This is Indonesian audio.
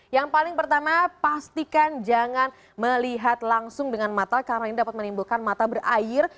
yang paling pertama pastikan jangan melihat langsung dengan mata karena ini dapat menimbulkan mata berair